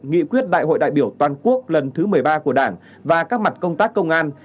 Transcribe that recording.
nghị quyết đại hội đại biểu toàn quốc lần thứ một mươi ba của đảng và các mặt công tác công an